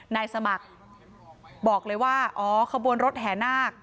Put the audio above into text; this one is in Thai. นายสมัครบอกเลยว่าอ๋อขบวนรถแห่นาค